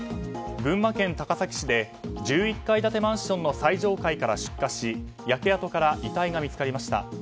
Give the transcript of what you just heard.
群馬県高崎市で１１階建てマンションの最上階から出火し焼け跡から遺体が見つかりました。